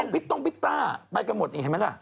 พี่ต้าไปกันหมดอีกไหมล่ะ